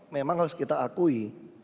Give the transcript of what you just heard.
memang harus kita akui